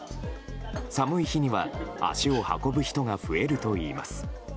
寒い日には足を運ぶ人が増えるといいます。